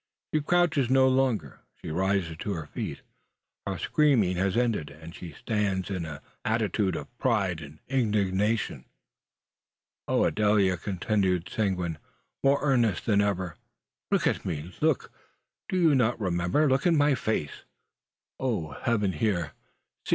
She crouches no longer. She rises to her feet. Her screaming has ended, and she stands in an attitude of pride and indignation. "Oh, Adele!" continues Seguin, more earnest than ever, "look at me! look! Do you not remember? Look in my face! Oh, Heaven! Here, see!